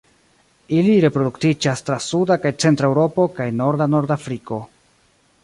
Ili reproduktiĝas tra suda kaj centra Eŭropo kaj norda Nordafriko.